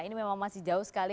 ini memang masih jauh sekali